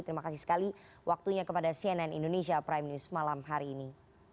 terima kasih sekali waktunya kepada cnn indonesia prime news malam hari ini